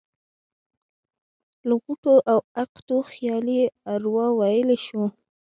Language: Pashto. له غوټو او عقدو خالي اروا ويلی شو.